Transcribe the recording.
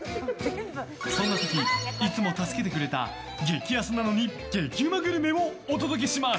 そんな時、いつも助けてくれた激安なのに激うまグルメをお届けします！